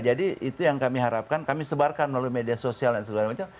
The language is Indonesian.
jadi itu yang kami harapkan kami sebarkan melalui media sosial dan sebagainya